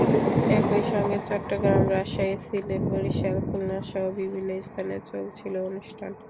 একই সঙ্গে চট্টগ্রাম, রাজশাহী, সিলেট, বরিশাল, খুলনাসহ বিভিন্ন স্থানে চলছিল অনুষ্ঠান।